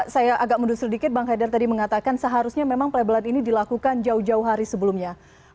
saya agak mundur sedikit bang haidar tadi mengatakan seharusnya memang pelabelan ini dilakukan jauh jauh hari sebelumnya